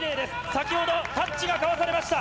先ほど、タッチが交わされました。